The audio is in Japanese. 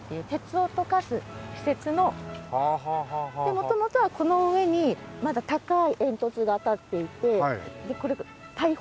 元々はこの上にまだ高い煙突が立っていてでこれ大砲。